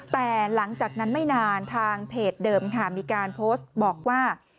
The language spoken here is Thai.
แต่หลังจากนั้นไม่นานทางเพจเดิมค่ะมีการโพสต์บอกว่า